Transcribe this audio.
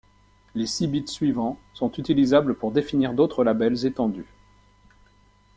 Les six bits suivants sont utilisables pour définir d'autres labels étendus.